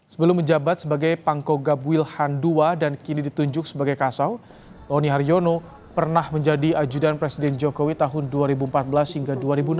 sebelum menjabat sebagai pangkoga wilhan ii dan kini ditunjuk sebagai kasau tony haryono pernah menjadi ajudan presiden jokowi tahun dua ribu empat belas hingga dua ribu enam belas